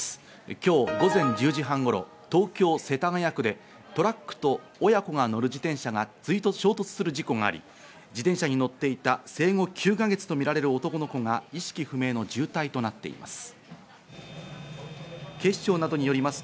今日午前１０時半頃、東京・世田谷区でトラックと、親子が乗る自転車が衝突する事故があり、自転車に乗っていた生後９か月とみられる男の子が意識不明の重体となっています。